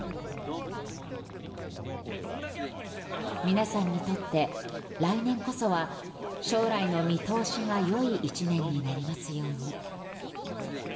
皆さんにとって来年こそは将来の見通しが良い１年になりますように。